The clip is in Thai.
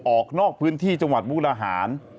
ออกนอกพื้นที่จังหวัดมุรหาร